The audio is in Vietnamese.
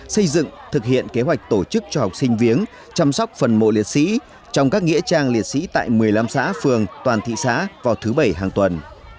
xây dựng thực hiện kế hoạch tổ chức cho học sinh viếng chăm sóc phần mộ liệt sĩ trong các nghĩa trang liệt sĩ tại một mươi năm xã phường toàn thị xã vào thứ bảy hàng tuần